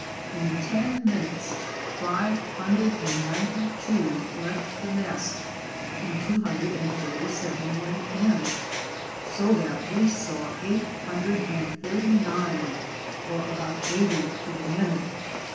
In ten minutes five hundred and ninety two left the nest and two hundred and forty seven went in, so that we saw eight hundred and thirty nine or about eighty to the minute.